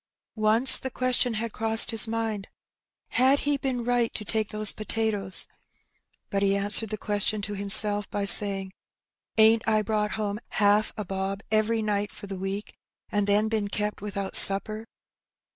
Once the question had crossed his mind, "Had he any right to take those potatoes? '^ But he answered the question to himself by saying, '^Ain^t I brought home haaf a bob every night for th' week, an' then bin kept without supper